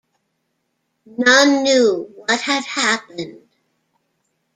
None knew what had happened.